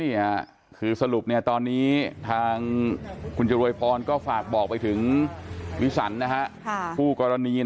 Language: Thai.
นี่ค่ะคือสรุปตอนนี้ทางคุณจรวยพรก็ฝากบอกไปถึงวิสันคู่กรณี